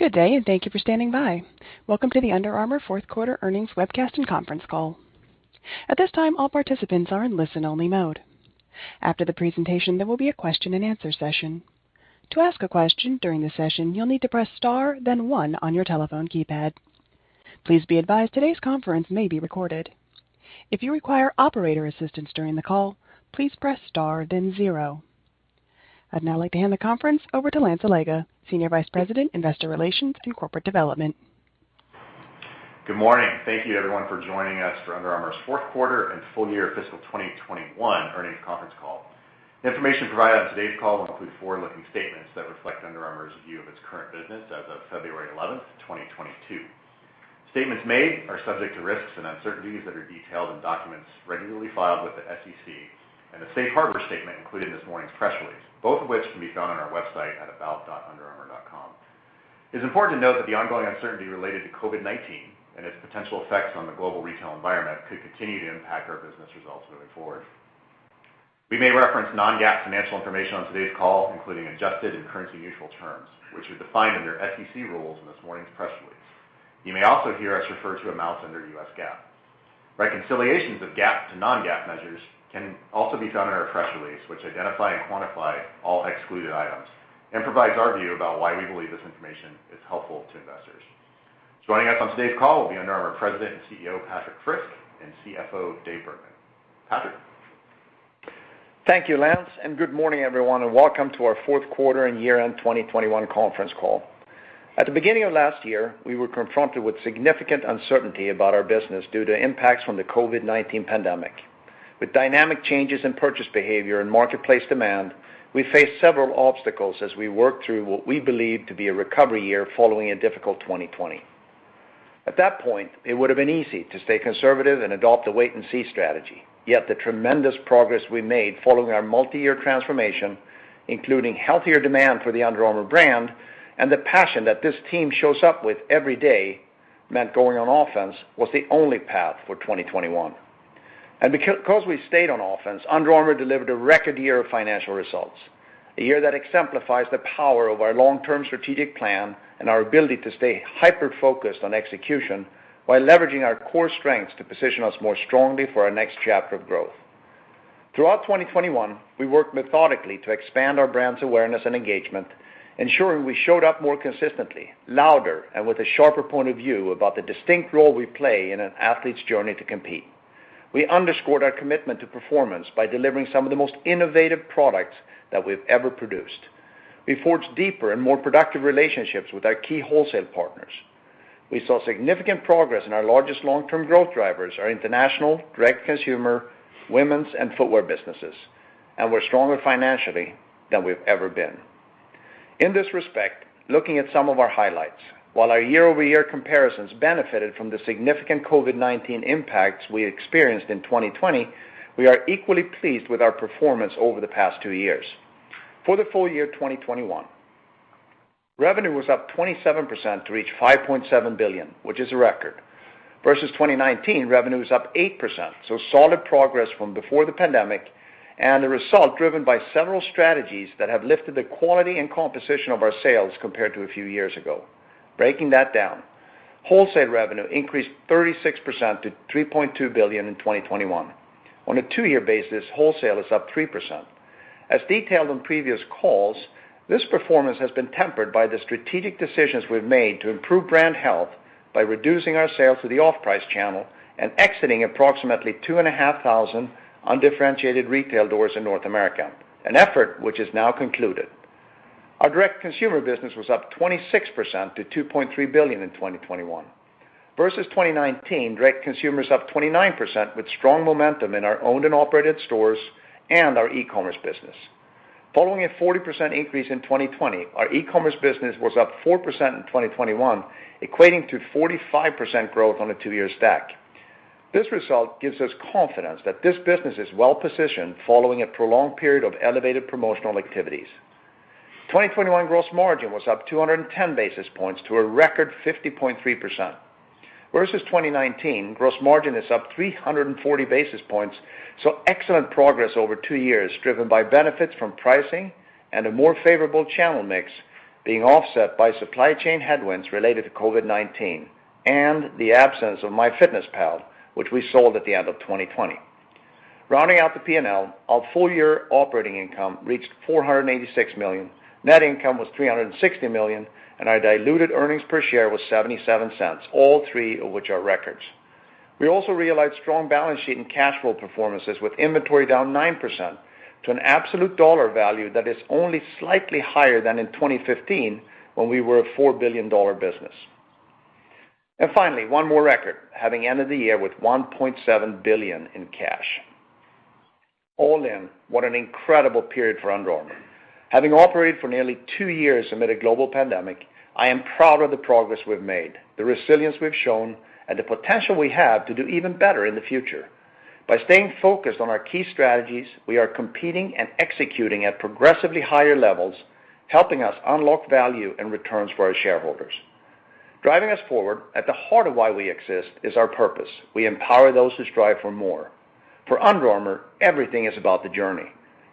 Good day, and thank you for standing by. Welcome to the Under Armour fourth quarter earnings webcast and conference call. At this time, all participants are in listen-only mode. After the presentation, there will be a question-and-answer session. To ask a question during the session, you'll need to press star, then one on your telephone keypad. Please be advised today's conference may be recorded. If you require operator assistance during the call, please press star, then zero. I'd now like to hand the conference over to Lance Allega, Senior Vice President, Investor Relations and Corporate Development. Good morning. Thank you everyone for joining us for Under Armour's fourth quarter and full year fiscal 2021 earnings conference call. The information provided on today's call will include forward-looking statements that reflect Under Armour's view of its current business as of February 11, 2022. Statements made are subject to risks and uncertainties that are detailed in documents regularly filed with the SEC and the safe harbor statement included in this morning's press release, both of which can be found on our website at about.underarmour.com. It's important to note that the ongoing uncertainty related to COVID-19 and its potential effects on the global retail environment could continue to impact our business results moving forward. We may reference non-GAAP financial information on today's call, including adjusted and currency neutral terms, which are defined under SEC rules in this morning's press release. You may also hear us refer to amounts under U.S. GAAP. Reconciliations of GAAP to non-GAAP measures can also be found in our press release, which identify and quantify all excluded items and provides our view about why we believe this information is helpful to investors. Joining us on today's call will be Under Armour President and CEO, Patrik Frisk, and CFO, Dave Bergman. Patrik. Thank you, Lance, and good morning everyone, and welcome to our fourth quarter and year-end 2021 conference call. At the beginning of last year, we were confronted with significant uncertainty about our business due to impacts from the COVID-19 pandemic. With dynamic changes in purchase behavior and marketplace demand, we faced several obstacles as we worked through what we believed to be a recovery year following a difficult 2020. At that point, it would have been easy to stay conservative and adopt a wait-and-see strategy. Yet the tremendous progress we made following our multi-year transformation, including healthier demand for the Under Armour brand and the passion that this team shows up with every day, meant going on offense was the only path for 2021. Because we stayed on offense, Under Armour delivered a record year of financial results, a year that exemplifies the power of our long-term strategic plan and our ability to stay hyper-focused on execution while leveraging our core strengths to position us more strongly for our next chapter of growth. Throughout 2021, we worked methodically to expand our brand's awareness and engagement, ensuring we showed up more consistently, louder, and with a sharper point of view about the distinct role we play in an athlete's journey to compete. We underscored our commitment to performance by delivering some of the most innovative products that we've ever produced. We forged deeper and more productive relationships with our key wholesale partners. We saw significant progress in our largest long-term growth drivers, our international, direct consumer, women's, and footwear businesses, and we're stronger financially than we've ever been. In this respect, looking at some of our highlights, while our year-over-year comparisons benefited from the significant COVID-19 impacts we experienced in 2020, we are equally pleased with our performance over the past two years. For the full year 2021, revenue was up 27% to reach $5.7 billion, which is a record. Versus 2019, revenue is up 8%, so solid progress from before the pandemic and a result driven by several strategies that have lifted the quality and composition of our sales compared to a few years ago. Breaking that down, wholesale revenue increased 36% to $3.2 billion in 2021. On a two-year basis, wholesale is up 3%. As detailed on previous calls, this performance has been tempered by the strategic decisions we've made to improve brand health by reducing our sale to the off-price channel and exiting approximately 2,500 undifferentiated retail doors in North America, an effort which is now concluded. Our direct consumer business was up 26% to $2.3 billion in 2021. Versus 2019, direct consumer is up 29% with strong momentum in our owned and operated stores and our E-commerce business. Following a 40% increase in 2020, our E-commerce business was up 4% in 2021, equating to 45% growth on a two-year stack. This result gives us confidence that this business is well positioned following a prolonged period of elevated promotional activities. 2021 gross margin was up 210 basis points to a record 50.3%. Versus 2019, gross margin is up 340 basis points, so excellent progress over two years driven by benefits from pricing and a more favorable channel mix being offset by supply chain headwinds related to COVID-19 and the absence of MyFitnessPal, which we sold at the end of 2020. Rounding out the P&L, our full year operating income reached $486 million. Net income was $360 million, and our diluted earnings per share was $0.77, all three of which are records. We also realized strong balance sheet and cash flow performances, with inventory down 9% to an absolute dollar value that is only slightly higher than in 2015 when we were a $4 billion business. Finally, one more record, having ended the year with $1.7 billion in cash. All in, what an incredible period for Under Armour. Having operated for nearly two years amid a global pandemic, I am proud of the progress we've made, the resilience we've shown, and the potential we have to do even better in the future. By staying focused on our key strategies, we are competing and executing at progressively higher levels, helping us unlock value and returns for our shareholders. Driving us forward at the heart of why we exist is our purpose. We empower those who strive for more. For Under Armour, everything is about the journey.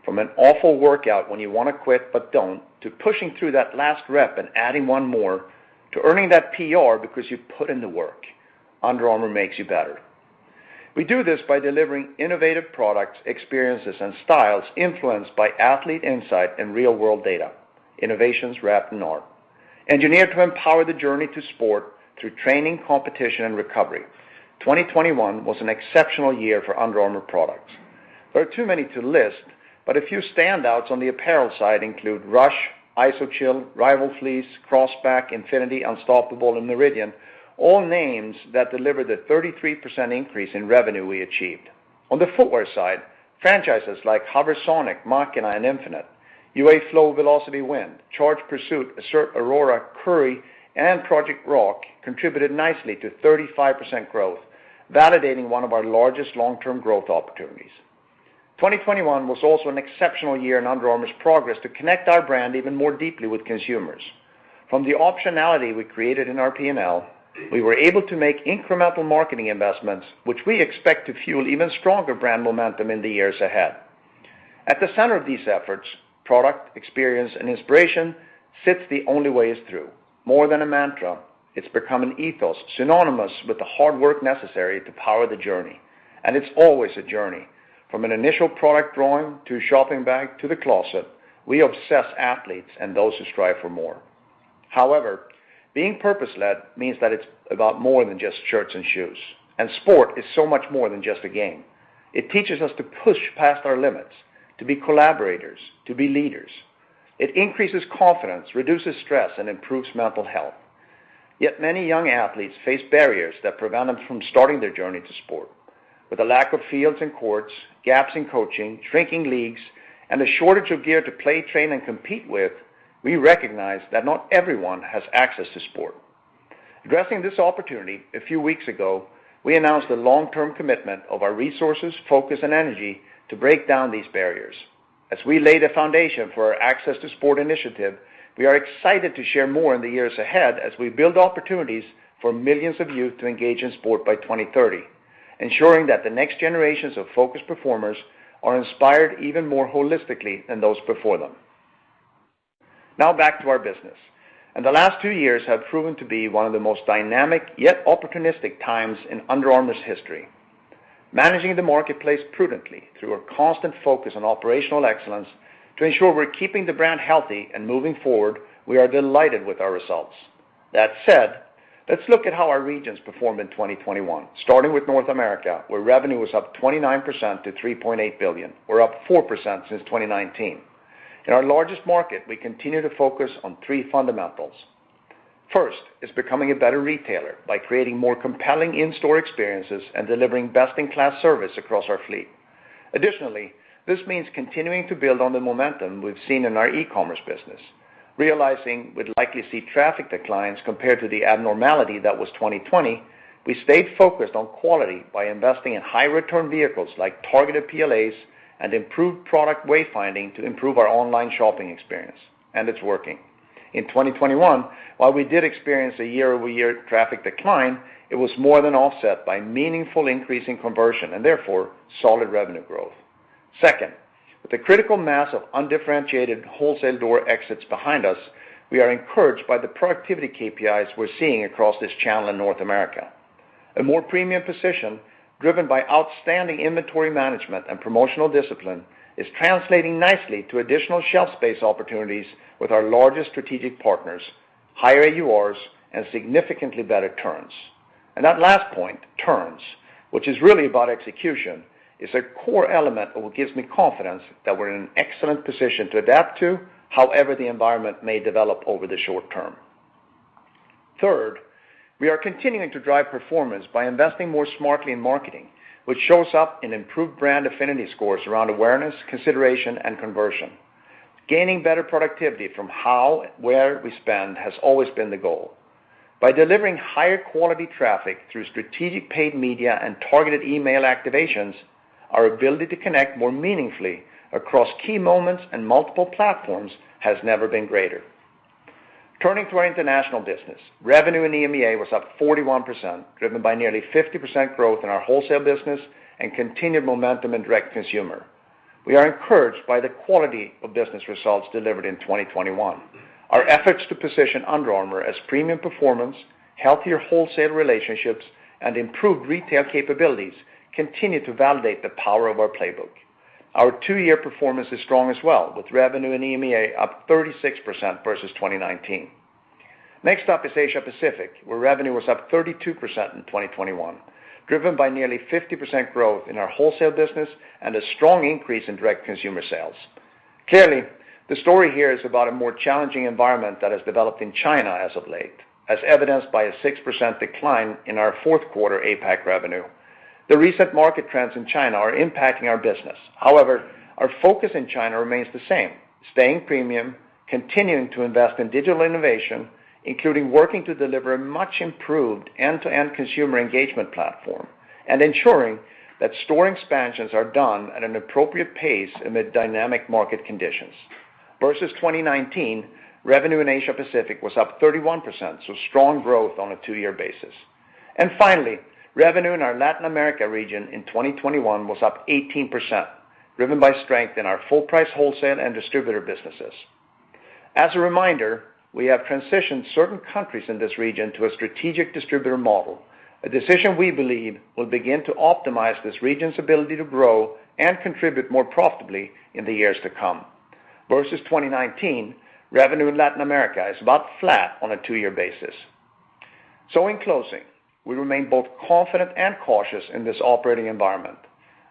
From an awful workout when you wanna quit but don't, to pushing through that last rep and adding one more, to earning that PR because you put in the work. Under Armour makes you better. We do this by delivering innovative products, experiences, and styles influenced by athlete insight and real-world data. Innovations wrapped in our engineered to empower the journey to sport through training, competition, and recovery. 2021 was an exceptional year for Under Armour products. There are too many to list, but a few standouts on the apparel side include Rush, Iso-Chill, Rival Fleece, Crossback, Infinity, Unstoppable, and Meridian, all names that delivered a 33% increase in revenue we achieved. On the footwear side, franchises like HOVR Sonic, Machina, and Infinite, UA Flow Velociti Wind, Charged Pursuit, Assert, Aurora, Curry, and Project Rock contributed nicely to 35% growth, validating one of our largest long-term growth opportunities. 2021 was also an exceptional year in Under Armour's progress to connect our brand even more deeply with consumers. From the optionality we created in our P&L, we were able to make incremental marketing investments, which we expect to fuel even stronger brand momentum in the years ahead. At the center of these efforts, product, experience, and inspiration fits The Only Way Is Through. More than a mantra, it's become an ethos synonymous with the hard work necessary to power the journey, and it's always a journey. From an initial product drawing, to a shopping bag, to the closet, we obsess athletes and those who strive for more. However, being purpose-led means that it's about more than just shirts and shoes, and sport is so much more than just a game. It teaches us to push past our limits, to be collaborators, to be leaders. It increases confidence, reduces stress, and improves mental health. Yet many young athletes face barriers that prevent them from starting their journey to sport. With a lack of fields and courts, gaps in coaching, shrinking leagues, and a shortage of gear to play, train, and compete with, we recognize that not everyone has access to sport. Addressing this opportunity a few weeks ago, we announced the long-term commitment of our resources, focus, and energy to break down these barriers. As we lay the foundation for our Access to Sport initiative, we are excited to share more in the years ahead as we build opportunities for millions of youth to engage in sport by 2030, ensuring that the next generations of focused performers are inspired even more holistically than those before them. Now back to our business. The last two years have proven to be one of the most dynamic, yet opportunistic times in Under Armour's history. Managing the marketplace prudently through a constant focus on operational excellence to ensure we're keeping the brand healthy and moving forward, we are delighted with our results. That said, let's look at how our regions performed in 2021, starting with North America, where revenue was up 29% to $3.8 billion. We're up 4% since 2019. In our largest market, we continue to focus on three fundamentals. First is becoming a better retailer by creating more compelling in-store experiences and delivering best-in-class service across our fleet. Additionally, this means continuing to build on the momentum we've seen in our E-commerce business. Realizing we'd likely see traffic declines compared to the abnormality that was 2020, we stayed focused on quality by investing in high-return vehicles like targeted PLAs and improved product wayfinding to improve our online shopping experience, and it's working. In 2021, while we did experience a year-over-year traffic decline, it was more than offset by meaningful increase in conversion and therefore, solid revenue growth. Second, with the critical mass of undifferentiated wholesale door exits behind us, we are encouraged by the productivity KPIs we're seeing across this channel in North America. A more premium position driven by outstanding inventory management and promotional discipline is translating nicely to additional shelf space opportunities with our largest strategic partners, higher AURs, and significantly better turns. That last point, turns, which is really about execution, is a core element of what gives me confidence that we're in an excellent position to adapt to however the environment may develop over the short term. Third, we are continuing to drive performance by investing more smartly in marketing, which shows up in improved brand affinity scores around awareness, consideration, and conversion. Gaining better productivity from how and where we spend has always been the goal. By delivering higher quality traffic through strategic paid media and targeted email activations, our ability to connect more meaningfully across key moments and multiple platforms has never been greater. Turning to our international business, revenue in EMEA was up 41%, driven by nearly 50% growth in our wholesale business and continued momentum in direct consumer. We are encouraged by the quality of business results delivered in 2021. Our efforts to position Under Armour as premium performance, healthier wholesale relationships, and improved retail capabilities continue to validate the power of our playbook. Our two-year performance is strong as well, with revenue in EMEA up 36% versus 2019. Next up is Asia Pacific, where revenue was up 32% in 2021, driven by nearly 50% growth in our wholesale business and a strong increase in direct consumer sales. Clearly, the story here is about a more challenging environment that has developed in China as of late, as evidenced by a 6% decline in our fourth quarter APAC revenue. The recent market trends in China are impacting our business. However, our focus in China remains the same, staying premium, continuing to invest in digital innovation, including working to deliver a much improved end-to-end consumer engagement platform, and ensuring that store expansions are done at an appropriate pace amid dynamic market conditions. Versus 2019, revenue in Asia Pacific was up 31%, so strong growth on a two-year basis. Finally, revenue in our Latin America region in 2021 was up 18%, driven by strength in our full price wholesale and distributor businesses. As a reminder, we have transitioned certain countries in this region to a strategic distributor model, a decision we believe will begin to optimize this region's ability to grow and contribute more profitably in the years to come. Versus 2019, revenue in Latin America is about flat on a two-year basis. In closing, we remain both confident and cautious in this operating environment.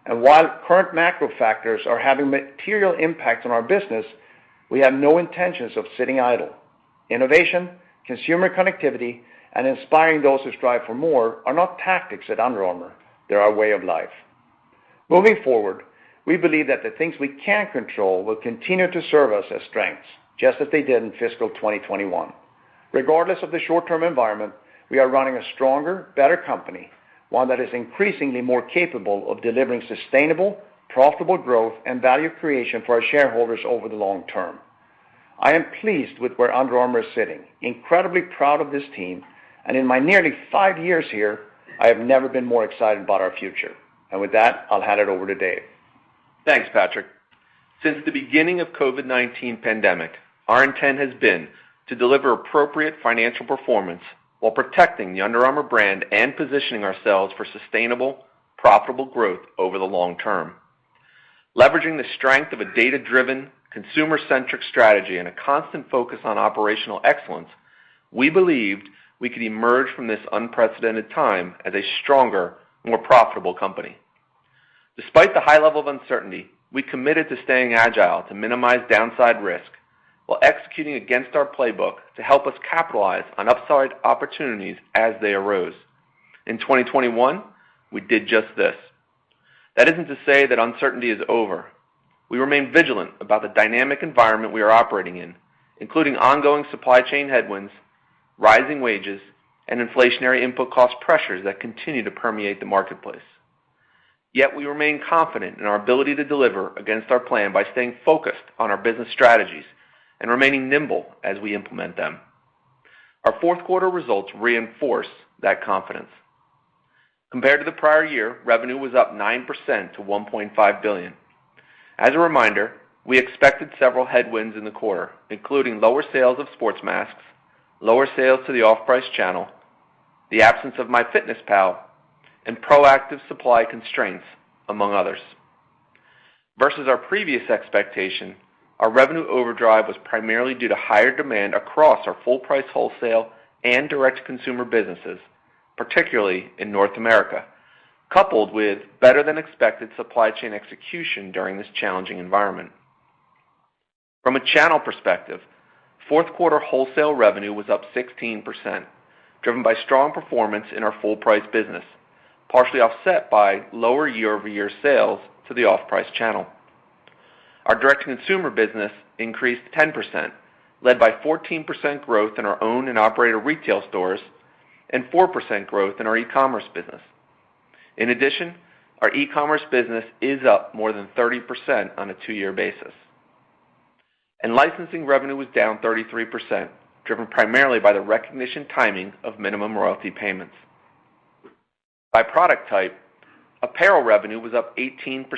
While current macro factors are having material impact on our business, we have no intentions of sitting idle. Innovation, consumer connectivity, and inspiring those who strive for more are not tactics at Under Armour. They're our way of life. Moving forward, we believe that the things we can control will continue to serve us as strengths, just as they did in fiscal 2021. Regardless of the short-term environment, we are running a stronger, better company, one that is increasingly more capable of delivering sustainable, profitable growth and value creation for our shareholders over the long term. I am pleased with where Under Armour is sitting, incredibly proud of this team, and in my nearly five years here, I have never been more excited about our future. With that, I'll hand it over to Dave. Thanks, Patrik. Since the beginning of COVID-19 pandemic, our intent has been to deliver appropriate financial performance while protecting the Under Armour brand and positioning ourselves for sustainable, profitable growth over the long term. Leveraging the strength of a data-driven, consumer-centric strategy and a constant focus on operational excellence, we believed we could emerge from this unprecedented time as a stronger, more profitable company. Despite the high level of uncertainty, we committed to staying agile to minimize downside risk while executing against our playbook to help us capitalize on upside opportunities as they arose. In 2021, we did just this. That isn't to say that uncertainty is over. We remain vigilant about the dynamic environment we are operating in, including ongoing supply chain headwinds, rising wages, and inflationary input cost pressures that continue to permeate the marketplace. Yet we remain confident in our ability to deliver against our plan by staying focused on our business strategies and remaining nimble as we implement them. Our fourth quarter results reinforce that confidence. Compared to the prior year, revenue was up 9% to $1.5 billion. As a reminder, we expected several headwinds in the quarter, including lower sales of sports masks, lower sales to the off-price channel, the absence of MyFitnessPal, and proactive supply constraints, among others. Versus our previous expectation, our revenue overdrive was primarily due to higher demand across our full-price wholesale and direct-to-consumer businesses, particularly in North America, coupled with better-than-expected supply chain execution during this challenging environment. From a channel perspective, fourth quarter wholesale revenue was up 16%, driven by strong performance in our full-price business, partially offset by lower year-over-year sales to the off-price channel. Our direct-to-consumer business increased 10%, led by 14% growth in our own and operator retail stores and 4% growth in our E-commerce business. In addition, our E-commerce business is up more than 30% on a two-year basis. Licensing revenue was down 33%, driven primarily by the recognition timing of minimum royalty payments. By product type, apparel revenue was up 18%,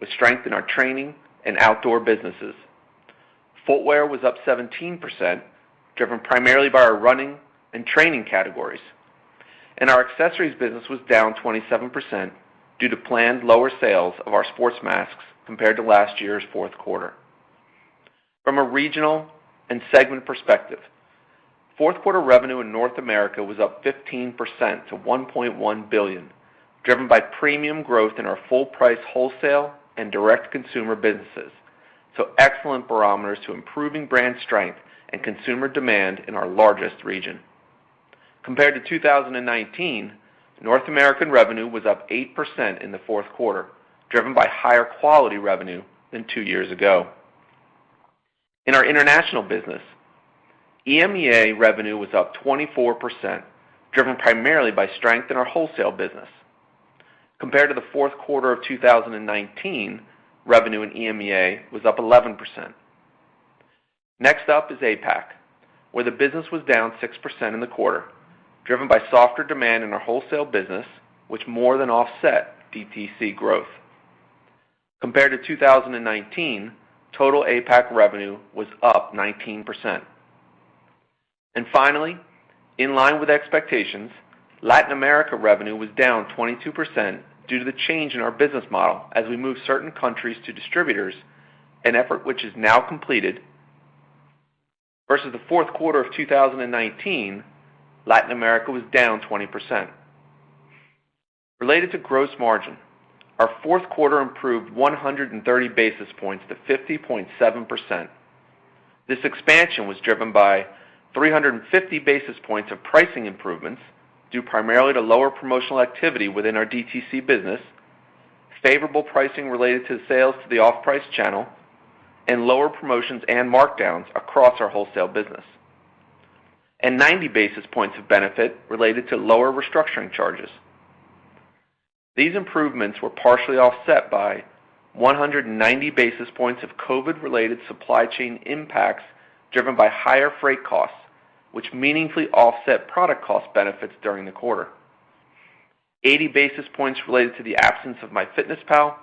with strength in our training and outdoor businesses. Footwear was up 17%, driven primarily by our running and training categories. Our accessories business was down 27% due to planned lower sales of our sports masks compared to last year's fourth quarter. From a regional and segment perspective, fourth quarter revenue in North America was up 15% to $1.1 billion, driven by premium growth in our full-price wholesale and direct consumer businesses, so excellent barometers to improving brand strength and consumer demand in our largest region. Compared to 2019, North American revenue was up 8% in the fourth quarter, driven by higher quality revenue than two years ago. In our international business, EMEA revenue was up 24%, driven primarily by strength in our wholesale business. Compared to the fourth quarter of 2019, revenue in EMEA was up 11%. Next up is APAC, where the business was down 6% in the quarter, driven by softer demand in our wholesale business, which more than offset DTC growth. Compared to 2019, total APAC revenue was up 19%. Finally, in line with expectations, Latin America revenue was down 22% due to the change in our business model as we move certain countries to distributors, an effort which is now completed. Versus the fourth quarter of 2019, Latin America was down 20%. Related to gross margin, our fourth quarter improved 130 basis points to 50.7%. This expansion was driven by 350 basis points of pricing improvements due primarily to lower promotional activity within our DTC business, favorable pricing related to sales to the off-price channel, and lower promotions and markdowns across our wholesale business. 90 basis points of benefit related to lower restructuring charges. These improvements were partially offset by 190 basis points of COVID-related supply chain impacts, driven by higher freight costs, which meaningfully offset product cost benefits during the quarter. 80 basis points related to the absence of MyFitnessPal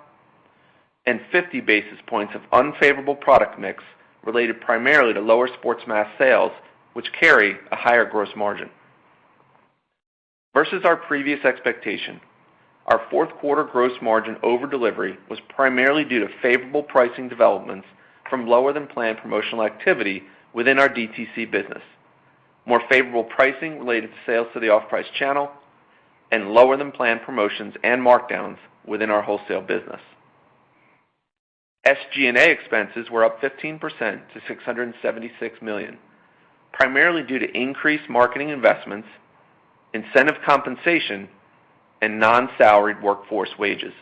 and 50 basis points of unfavorable product mix related primarily to lower sports mass sales, which carry a higher gross margin. Versus our previous expectation, our fourth quarter gross margin over delivery was primarily due to favorable pricing developments from lower than planned promotional activity within our DTC business. More favorable pricing related to sales to the off-price channel and lower than planned promotions and markdowns within our wholesale business. SG&A expenses were up 15% to $676 million, primarily due to increased marketing investments, incentive compensation and non-salaried workforce wages.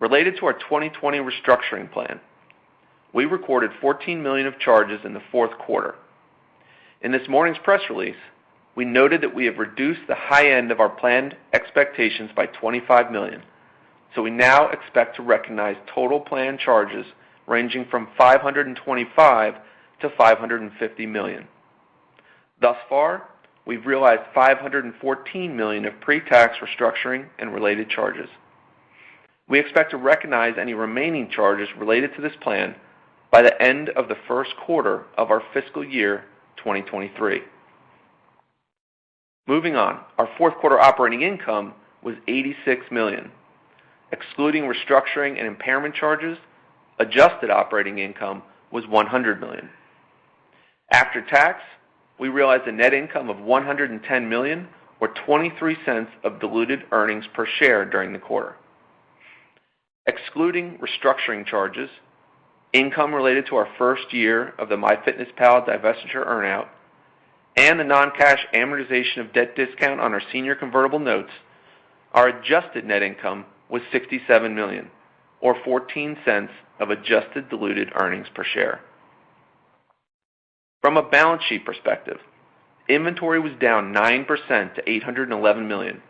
Related to our 2020 restructuring plan, we recorded $14 million of charges in the fourth quarter. In this morning's press release, we noted that we have reduced the high end of our planned expectations by $25 million. We now expect to recognize total planned charges ranging from $525 million-$550 million. Thus far, we've realized $514 million of pre-tax restructuring and related charges. We expect to recognize any remaining charges related to this plan by the end of the first quarter of our fiscal year 2023. Moving on. Our fourth quarter operating income was $86 million. Excluding restructuring and impairment charges, adjusted operating income was $100 million. After tax, we realized a net income of $110 million or $0.23 of diluted earnings per share during the quarter. Excluding restructuring charges, income related to our first year of the MyFitnessPal divestiture earn-out and the non-cash amortization of debt discount on our senior convertible notes, our adjusted net income was $67 million or $0.14 adjusted diluted earnings per share. From a balance sheet perspective, inventory was down 9% to $811 million,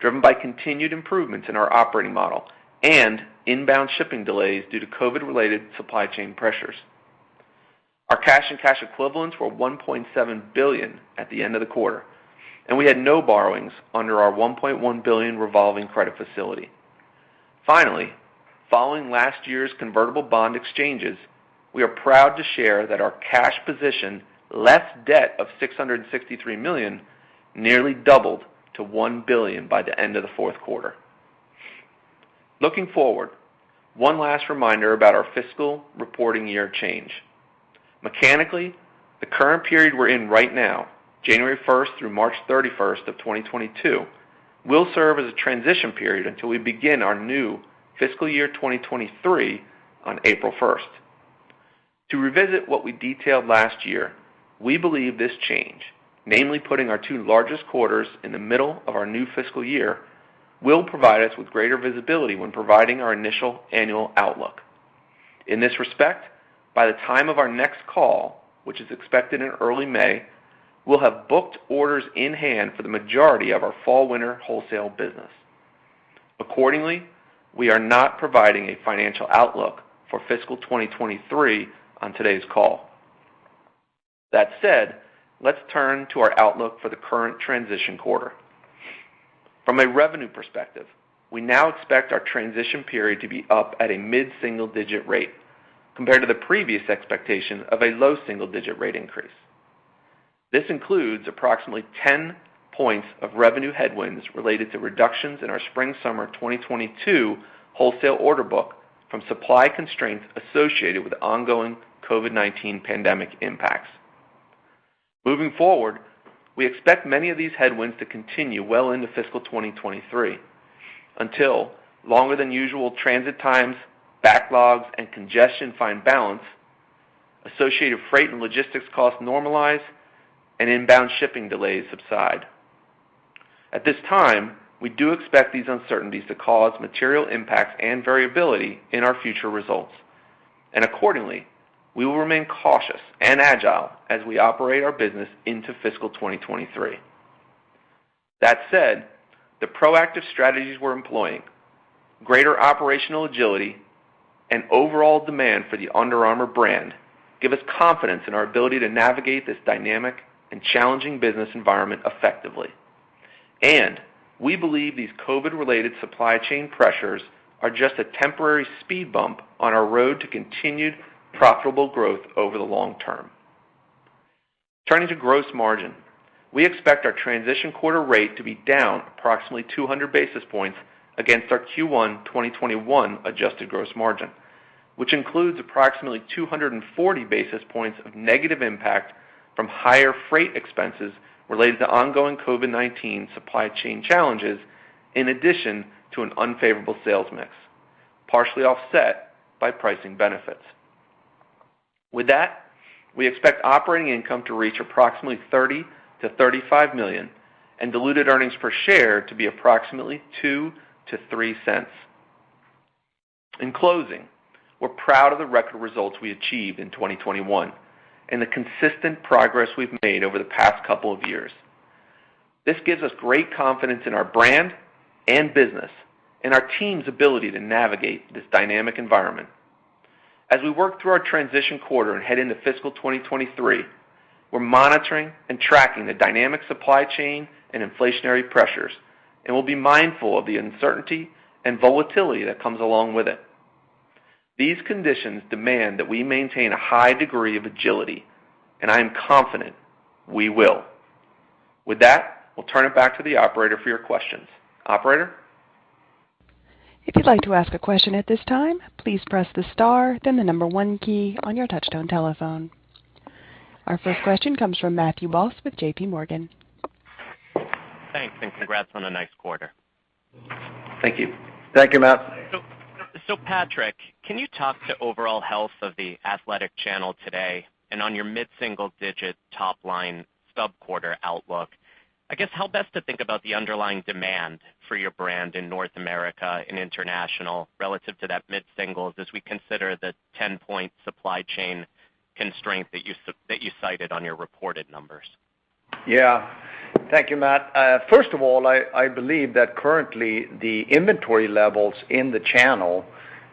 driven by continued improvements in our operating model and inbound shipping delays due to COVID-related supply chain pressures. Our cash and cash equivalents were $1.7 billion at the end of the quarter, and we had no borrowings under our $1.1 billion revolving credit facility. Finally, following last year's convertible bond exchanges, we are proud to share that our cash position less debt of $663 million nearly doubled to $1 billion by the end of the fourth quarter. Looking forward, one last reminder about our fiscal reporting year change. Mechanically, the current period we're in right now, January 1st through March 31st, 2022, will serve as a transition period until we begin our new fiscal year 2023 on April 1st. To revisit what we detailed last year, we believe this change, namely putting our two largest quarters in the middle of our new fiscal year, will provide us with greater visibility when providing our initial annual outlook. In this respect, by the time of our next call, which is expected in early May, we'll have booked orders in-hand for the majority of our fall/winter wholesale business. Accordingly, we are not providing a financial outlook for fiscal 2023 on today's call. That said, let's turn to our outlook for the current transition quarter. From a revenue perspective, we now expect our transition period to be up at a mid-single-digit rate compared to the previous expectation of a low single-digit rate increase. This includes approximately 10 points of revenue headwinds related to reductions in our spring/summer 2022 wholesale order book from supply constraints associated with ongoing COVID-19 pandemic impacts. Moving forward, we expect many of these headwinds to continue well into fiscal 2023 until longer than usual transit times, backlogs and congestion find balance, associated freight and logistics costs normalize and inbound shipping delays subside. At this time, we do expect these uncertainties to cause material impacts and variability in our future results, and accordingly, we will remain cautious and agile as we operate our business into fiscal 2023. That said, the proactive strategies we're employing, greater operational agility and overall demand for the Under Armour brand give us confidence in our ability to navigate this dynamic and challenging business environment effectively. We believe these COVID-related supply chain pressures are just a temporary speed bump on our road to continued profitable growth over the long term. Turning to gross margin. We expect our transition quarter rate to be down approximately 200 basis points against our Q1 2021 adjusted gross margin, which includes approximately 240 basis points of negative impact from higher freight expenses related to ongoing COVID-19 supply chain challenges, in addition to an unfavorable sales mix, partially offset by pricing benefits. With that, we expect operating income to reach approximately $30 million-$35 million and diluted earnings per share to be approximately $0.02-$0.03. In closing, we're proud of the record results we achieved in 2021 and the consistent progress we've made over the past couple of years. This gives us great confidence in our brand and business and our team's ability to navigate this dynamic environment. As we work through our transition quarter and head into fiscal 2023, we're monitoring and tracking the dynamic supply chain and inflationary pressures, and we'll be mindful of the uncertainty and volatility that comes along with it. These conditions demand that we maintain a high degree of agility, and I am confident we will. With that, we'll turn it back to the operator for your questions. Operator? If you would like to ask a question at this time, please press the star then number one key on your touch-tone telephone. Our first question comes from Matthew Boss with JPMorgan. Thanks, and congrats on a nice quarter. Thank you. Thank you, Matt. Patrik, can you talk to overall health of the athletic channel today and on your mid-single-digit top line stub-quarter outlook, I guess, how best to think about the underlying demand for your brand in North America and international relative to that mid-singles as we consider the 10-point supply chain constraint that you cited on your reported numbers? Yeah. Thank you, Matt. First of all, I believe that currently the inventory levels in the channel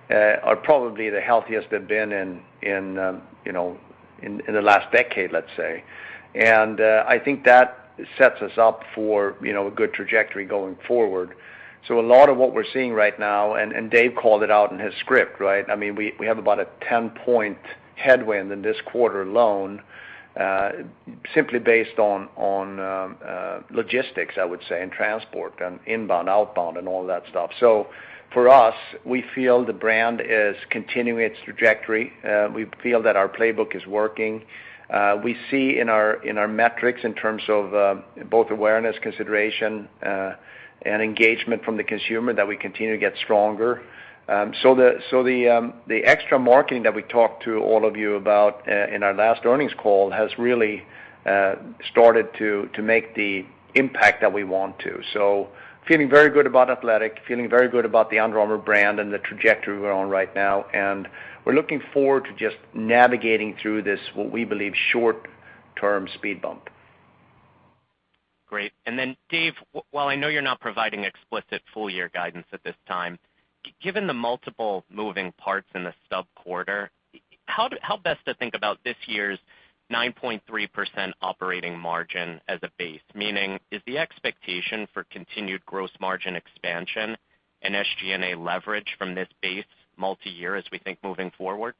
are probably the healthiest they've been in you know in the last decade, let's say. I think that sets us up for you know a good trajectory going forward. A lot of what we're seeing right now, and Dave called it out in his script, right? I mean, we have about a 10-point headwind in this quarter alone simply based on logistics, I would say, and transport and inbound, outbound and all that stuff. For us, we feel the brand is continuing its trajectory. We feel that our playbook is working. We see in our metrics in terms of both awareness, consideration, and engagement from the consumer that we continue to get stronger. The extra marketing that we talked to all of you about in our last earnings call has really started to make the impact that we want to. Feeling very good about athletic, feeling very good about the Under Armour brand and the trajectory we're on right now. We're looking forward to just navigating through this, what we believe, short-term speed bump. Great. Then Dave, while I know you're not providing explicit full year guidance at this time, given the multiple moving parts in this quarter, how best to think about this year's 9.3% operating margin as a base? Meaning, is the expectation for continued gross margin expansion and SG&A leverage from this base multi-year as we think moving forward?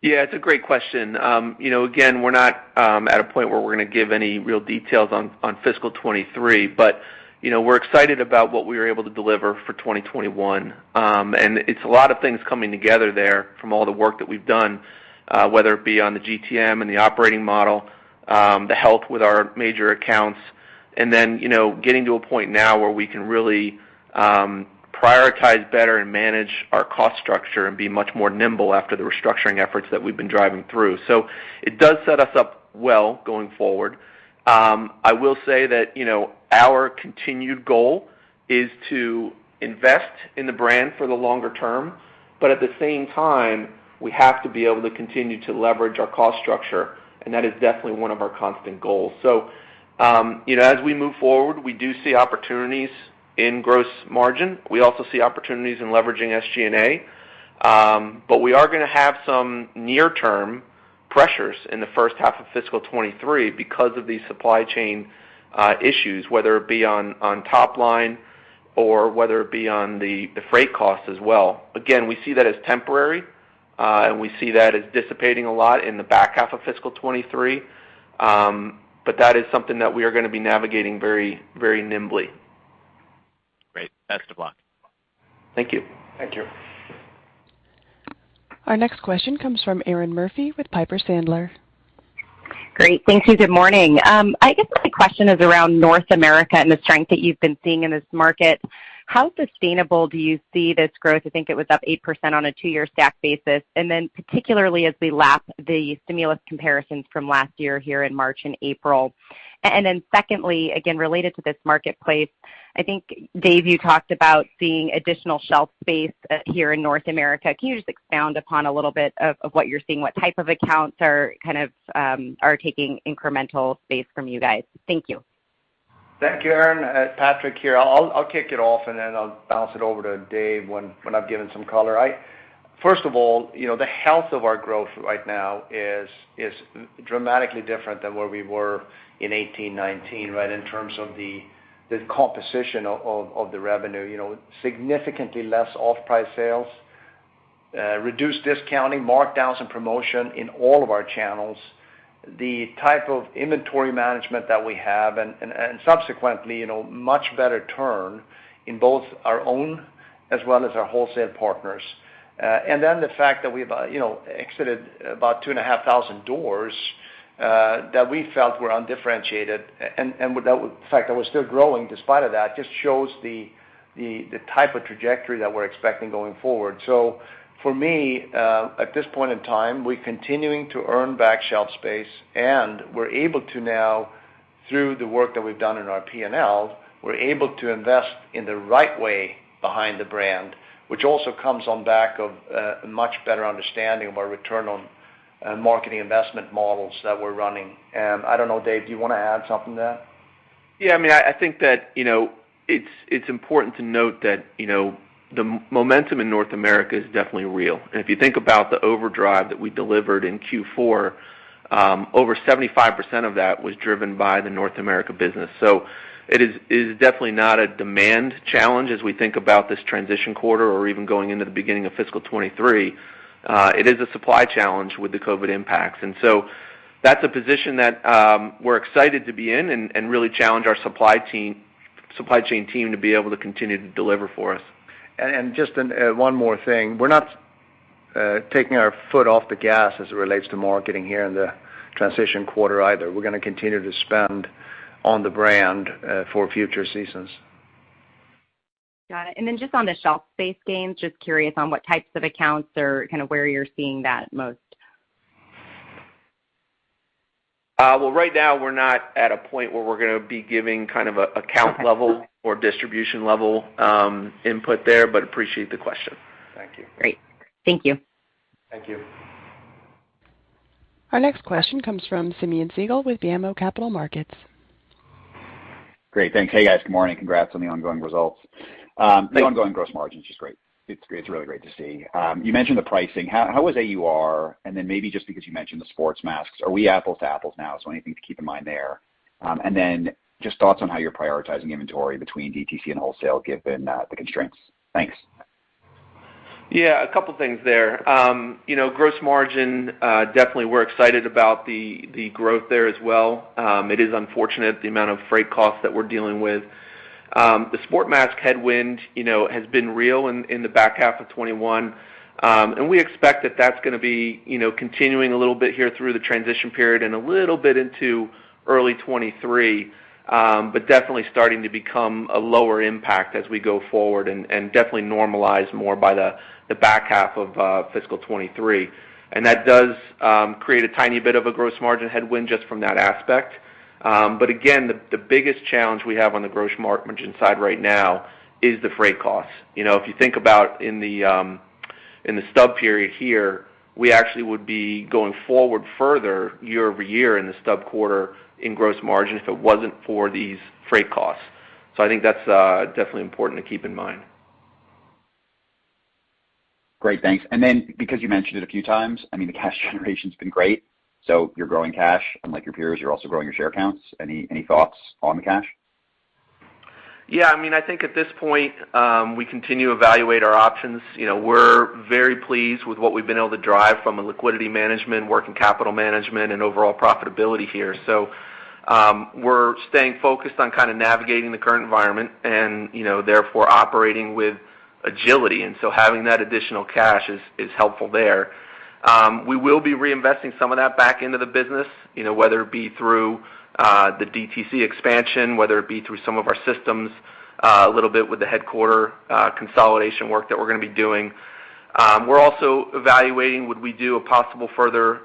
Yeah, it's a great question. You know, again, we're not at a point where we're gonna give any real details on fiscal 2023, but you know, we're excited about what we were able to deliver for 2021. It's a lot of things coming together there from all the work that we've done, whether it be on the GTM and the operating model, the help with our major accounts, and then you know, getting to a point now where we can really prioritize better and manage our cost structure and be much more nimble after the restructuring efforts that we've been driving through. It does set us up well going forward. I will say that, you know, our continued goal is to invest in the brand for the longer term, but at the same time, we have to be able to continue to leverage our cost structure, and that is definitely one of our constant goals. You know, as we move forward, we do see opportunities in gross margin. We also see opportunities in leveraging SG&A. But we are gonna have some near-term pressures in the first half of fiscal 2023 because of these supply chain issues, whether it be on top line or whether it be on the freight costs as well. Again, we see that as temporary, and we see that as dissipating a lot in the back half of fiscal 2023. But that is something that we are gonna be navigating very, very nimbly. Great. Best of luck. Thank you. Thank you. Our next question comes from Erinn Murphy with Piper Sandler. Great. Thank you. Good morning. I guess my question is around North America and the strength that you've been seeing in this market. How sustainable do you see this growth? I think it was up 8% on a two-year stack basis, and then particularly as we lap the stimulus comparisons from last year here in March and April. And then secondly, again, related to this marketplace, I think, Dave, you talked about seeing additional shelf space here in North America. Can you just expound upon a little bit of what you're seeing, what type of accounts are kind of are taking incremental space from you guys? Thank you. Thank you, Erinn. Patrik here. I'll kick it off, and then I'll bounce it over to Dave when I've given some color. First of all, you know, the health of our growth right now is dramatically different than where we were in 2018, 2019, right, in terms of the composition of the revenue. You know, significantly less off-price sales, reduced discounting, markdowns and promotion in all of our channels. The type of inventory management that we have and subsequently, you know, much better turn in both our own as well as our wholesale partners. The fact that we've, you know, exited about 2,500 doors that we felt were undifferentiated, and that in fact that was still growing despite of that, just shows the type of trajectory that we're expecting going forward. For me, at this point in time, we're continuing to earn back shelf space, and we're able to now. Through the work that we've done in our P&L, we're able to invest in the right way behind the brand, which also comes on back of a much better understanding of our return on marketing investment models that we're running. I don't know, Dave, do you wanna add something there? Yeah. I mean, I think that, you know, it's important to note that, you know, the momentum in North America is definitely real. If you think about the overdrive that we delivered in Q4, over 75% of that was driven by the North America business. It is definitely not a demand challenge as we think about this transition quarter or even going into the beginning of fiscal 2023. It is a supply challenge with the COVID impacts. That's a position that we're excited to be in and really challenge our supply chain team to be able to continue to deliver for us. One more thing. We're not taking our foot off the gas as it relates to marketing here in the transition quarter either. We're gonna continue to spend on the brand for future seasons. Got it. Just on the shelf space gains, just curious on what types of accounts or kinda where you're seeing that most? Well, right now we're not at a point where we're gonna be giving kind of a account level. Okay. distribution level, input there, but I appreciate the question. Thank you. Great. Thank you. Thank you. Our next question comes from Simeon Siegel with BMO Capital Markets. Great. Thanks. Hey, guys. Good morning. Congrats on the ongoing results. The ongoing gross margin is just great. It's really great to see. You mentioned the pricing. How was AUR? Maybe just because you mentioned the sports masks, are we apples to apples now? Anything to keep in mind there. Just thoughts on how you're prioritizing inventory between DTC and wholesale given the constraints. Thanks. Yeah, a couple things there. You know, gross margin, definitely we're excited about the growth there as well. It is unfortunate the amount of freight costs that we're dealing with. The sport mask headwind, you know, has been real in the back half of 2021. We expect that that's gonna be, you know, continuing a little bit here through the transition period and a little bit into early 2023. Definitely starting to become a lower impact as we go forward and definitely normalize more by the back half of fiscal 2023. That does create a tiny bit of a gross margin headwind just from that aspect. Again, the biggest challenge we have on the gross margin side right now is the freight costs. You know, if you think about in the in the stub period here, we actually would be going forward further year over year in the stub quarter in gross margin if it wasn't for these freight costs. I think that's definitely important to keep in mind. Great. Thanks. Because you mentioned it a few times, I mean, the cash generation's been great, so you're growing cash. Unlike your peers, you're also growing your share counts. Any thoughts on the cash? Yeah. I mean, I think at this point, we continue to evaluate our options. You know, we're very pleased with what we've been able to drive from a liquidity management, working capital management, and overall profitability here. We're staying focused on kinda navigating the current environment and, you know, therefore operating with agility. Having that additional cash is helpful there. We will be reinvesting some of that back into the business, you know, whether it be through the DTC expansion, whether it be through some of our systems, a little bit with the headquarters consolidation work that we're gonna be doing. We're also evaluating would we do a possible further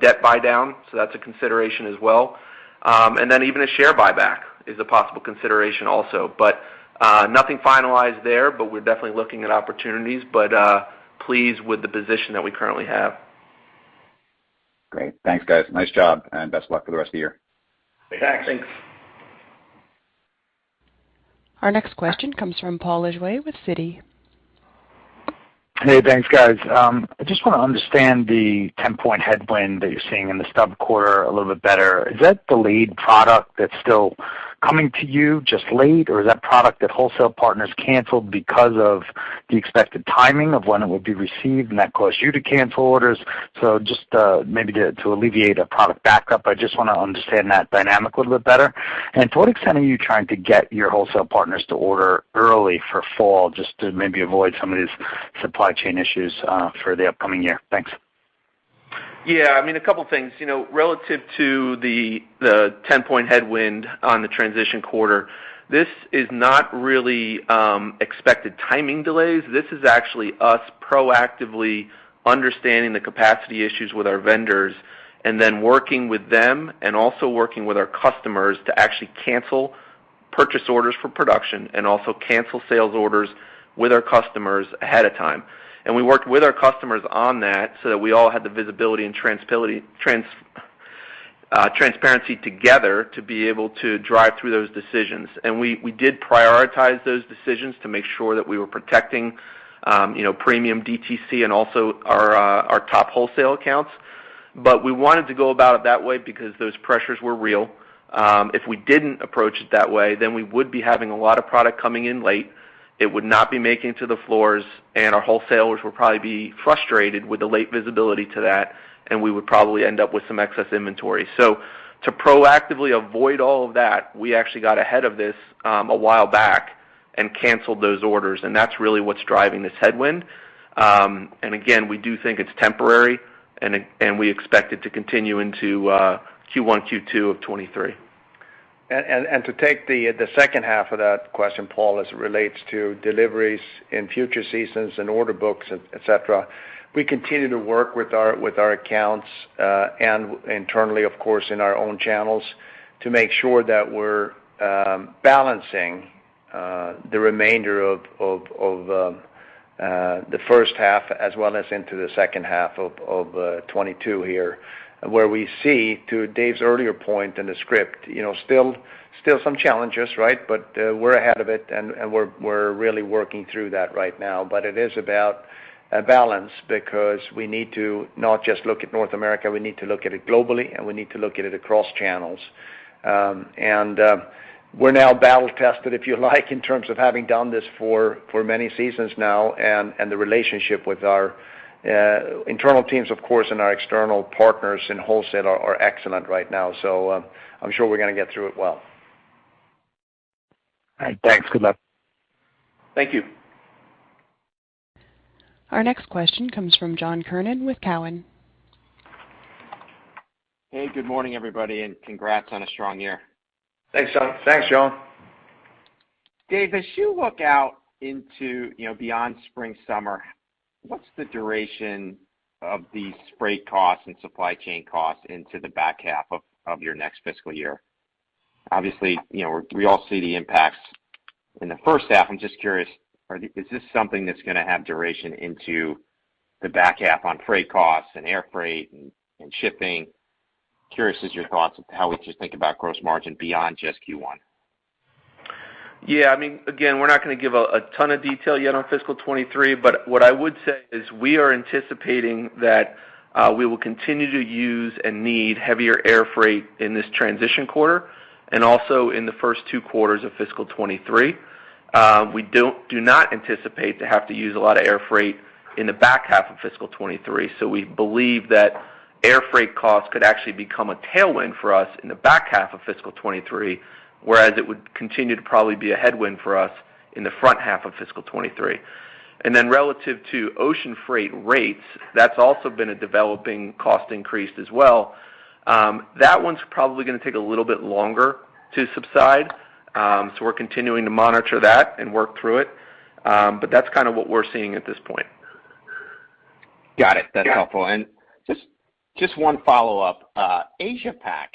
debt buy down? That's a consideration as well. Then even a share buyback is a possible consideration also. But nothing finalized there, but we're definitely looking at opportunities, but pleased with the position that we currently have. Great. Thanks, guys. Nice job, and best of luck for the rest of the year. Thanks. Thanks. Our next question comes from Paul Lejuez with Citi. Hey. Thanks, guys. I just wanna understand the 10-point headwind that you're seeing in the stub quarter a little bit better. Is that the lead product that's still coming to you just late, or is that product that wholesale partners canceled because of the expected timing of when it would be received and that caused you to cancel orders? Just maybe to alleviate a product backup, I just wanna understand that dynamic a little bit better. To what extent are you trying to get your wholesale partners to order early for fall, just to maybe avoid some of these supply chain issues for the upcoming year? Thanks. Yeah. I mean, a couple things. You know, relative to the 10-point headwind on the transition quarter, this is not really expected timing delays. This is actually us proactively understanding the capacity issues with our vendors and then working with them and also working with our customers to actually cancel purchase orders for production and also cancel sales orders with our customers ahead of time. We worked with our customers on that, so that we all had the visibility and transparency together to be able to drive through those decisions. We did prioritize those decisions to make sure that we were protecting you know, premium DTC and also our top wholesale accounts. We wanted to go about it that way because those pressures were real. If we didn't approach it that way, then we would be having a lot of product coming in late. It would not be making it to the floors, and our wholesalers would probably be frustrated with the late visibility to that, and we would probably end up with some excess inventory. To proactively avoid all of that, we actually got ahead of this a while back and canceled those orders, and that's really what's driving this headwind. Again, we do think it's temporary, and we expect it to continue into Q1, Q2 of 2023. To take the second half of that question, Paul, as it relates to deliveries in future seasons and order books, et cetera, we continue to work with our accounts and internally, of course, in our own channels to make sure that we're balancing the remainder of the first half as well as into the second half of 2022 here, where we see, to Dave's earlier point in the script, you know, still some challenges, right? We're ahead of it, and we're really working through that right now. It is about a balance because we need to not just look at North America, we need to look at it globally, and we need to look at it across channels. We're now battle tested, if you like, in terms of having done this for many seasons now and the relationship with our internal teams, of course, and our external partners in wholesale are excellent right now. I'm sure we're gonna get through it well. All right. Thanks. Good luck. Thank you. Our next question comes from John Kernan with Cowen. Hey, good morning, everybody, and congrats on a strong year. Thanks, John. Dave, as you look out into, you know, beyond spring-summer, what's the duration of the freight costs and supply chain costs into the back half of your next fiscal year? Obviously, you know, we all see the impacts in the first half. I'm just curious, is this something that's gonna have duration into the back half on freight costs and air freight and shipping? Curious about your thoughts of how we should think about gross margin beyond just Q1. Yeah. I mean, again, we're not gonna give a ton of detail yet on fiscal 2023, but what I would say is we are anticipating that we will continue to use and need heavier air freight in this transition quarter and also in the first two quarters of fiscal 2023. We do not anticipate to have to use a lot of air freight in the back half of fiscal 2023. So we believe that air freight costs could actually become a tailwind for us in the back half of fiscal 2023, whereas it would continue to probably be a headwind for us in the front half of fiscal 2023. Then relative to ocean freight rates, that's also been a developing cost increase as well. That one's probably gonna take a little bit longer to subside, so we're continuing to monitor that and work through it. That's kind of what we're seeing at this point. Got it. That's helpful. Just one follow-up. Asia Pac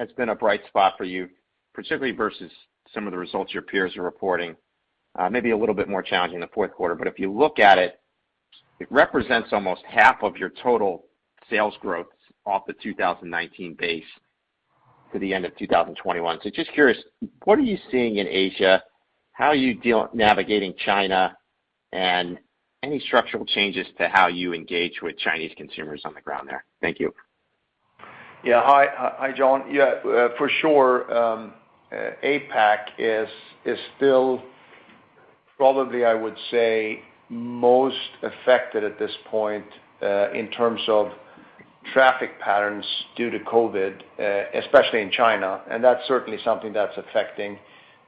has been a bright spot for you, particularly versus some of the results your peers are reporting. Maybe a little bit more challenging in the fourth quarter, but if you look at it represents almost half of your total sales growth off the 2019 base to the end of 2021. Just curious, what are you seeing in Asia? How are you navigating China? And any structural changes to how you engage with Chinese consumers on the ground there? Thank you. Yeah. Hi, John. Yeah, for sure, APAC is still probably, I would say, most affected at this point, in terms of traffic patterns due to COVID, especially in China, and that's certainly something that's affecting,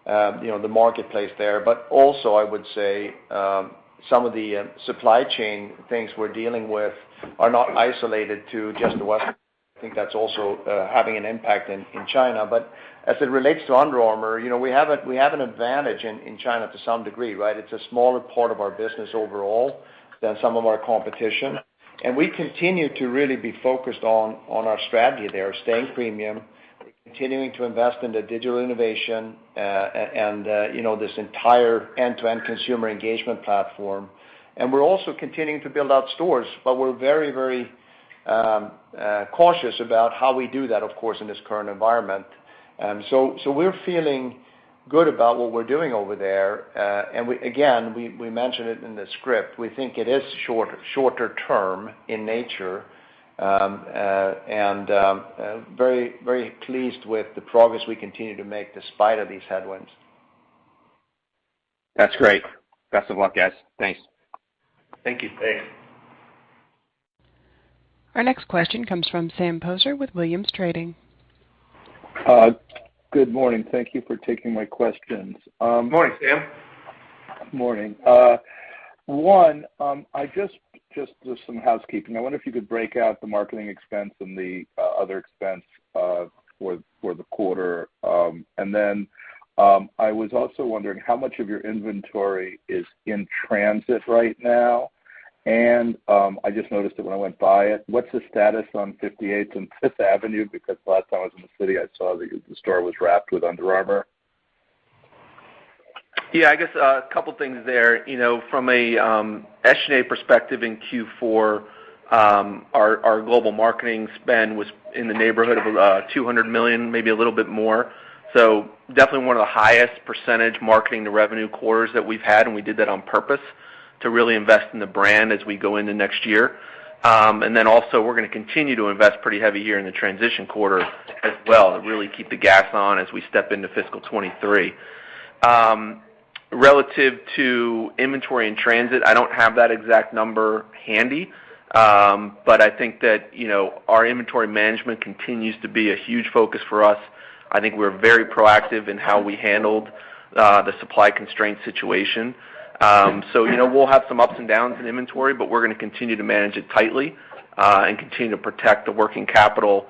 you know, the marketplace there. Also, I would say, some of the supply chain things we're dealing with are not isolated to just the West. I think that's also having an impact in China. As it relates to Under Armour, you know, we have an advantage in China to some degree, right? It's a smaller part of our business overall than some of our competition. We continue to really be focused on our strategy there, staying premium, continuing to invest in the digital innovation, and you know, this entire end-to-end consumer engagement platform. We're also continuing to build out stores, but we're very cautious about how we do that, of course, in this current environment. We're feeling good about what we're doing over there. Again, we mentioned it in the script. We think it is shorter term in nature and very pleased with the progress we continue to make despite of these headwinds. That's great. Best of luck, guys. Thanks. Thank you. Thanks. Our next question comes from Sam Poser with Williams Trading. Good morning. Thank you for taking my questions. Good morning, Sam. Morning. I just as some housekeeping, I wonder if you could break out the marketing expense and the other expense for the quarter. Then I was also wondering how much of your inventory is in transit right now. I just noticed it when I went by it. What's the status on 58th and Fifth Avenue? Because last time I was in the city, I saw that the store was wrapped with Under Armour. Yeah, I guess a couple things there. You know, from a SG&A perspective in Q4, our global marketing spend was in the neighborhood of $200 million, maybe a little bit more. Definitely one of the highest percentage marketing to revenue quarters that we've had, and we did that on purpose to really invest in the brand as we go into next year. We're gonna continue to invest pretty heavy here in the transition quarter as well to really keep the gas on as we step into fiscal 2023. Relative to inventory in transit, I don't have that exact number handy. But I think that, you know, our inventory management continues to be a huge focus for us. I think we're very proactive in how we handled the supply constraint situation. You know, we'll have some ups and downs in inventory, but we're gonna continue to manage it tightly, and continue to protect the working capital,